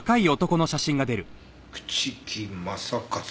「朽木政一」